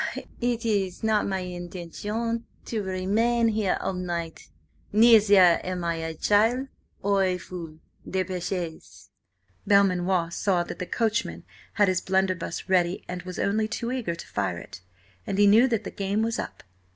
"It is not my intention to remain here all night. Neither am I a child–or a fool. Dépêchez!" Belmanoir saw that the coachman had his blunderbuss ready and was only too eager to fire it, and he knew that the game was up.